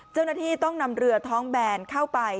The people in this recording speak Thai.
เจ้าหน้าที่ต้องนำเรือท้องแบนเข้าไป